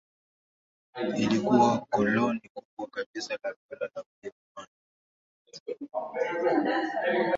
Ilikuwa koloni kubwa kabisa la Dola la Ujerumani.